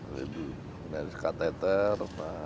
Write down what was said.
jadi di katheter